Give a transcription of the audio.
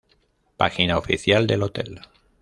Página oficial del hotel